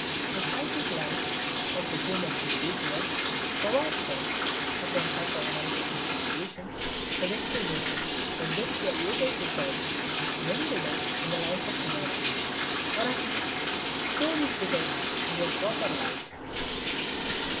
The psychic life of the human individual provides us, upon psychoanalytic investigation, with explanations with which we are able to solve many riddles in the life of humanity, or at least show these riddles in their proper light.